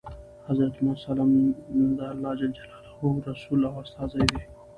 حضرت محمد ﷺ د الله ﷻ رسول او استازی دی.